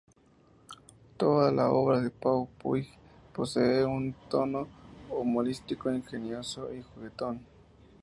Toda la obra de Pau Puig posee un tono humorístico, ingenioso y juguetón.